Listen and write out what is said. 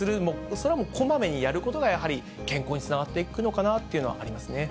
それはもう、こまめにやることがやはり、健康につながっていくのかなというのはありますね。